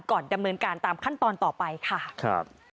ดำเนินการตามขั้นตอนต่อไปค่ะครับ